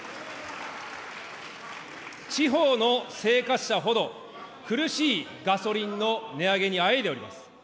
地方の生活者ほど苦しいガソリンの値上げにあえいでおります。